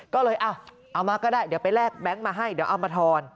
ก็เลยเอามาก็ได้เดี๋ยวไปแลกแบงค์มาให้เดี๋ยวเอามาทอน